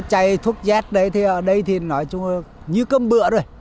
chạy thuốc jet đấy thì ở đây thì nói chung là như cơm bựa rồi